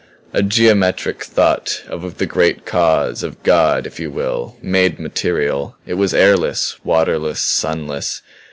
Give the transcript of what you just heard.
A geometric thought of the Great Cause, of God, if you will, made material. It was airless, waterless, sunless.